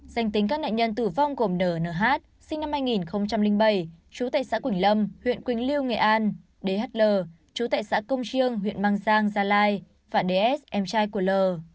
danh tính các nạn nhân tử vong gồm nh sinh năm hai nghìn bảy chú tại xã quỳnh lâm huyện quỳnh liêu nghệ an dhl chú tại xã công chiêng huyện mang giang gia lai và ds em trai của l